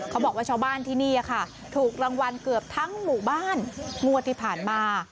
ชาวบ้านที่นี่ค่ะถูกรางวัลเกือบทั้งหมู่บ้านงวดที่ผ่านมา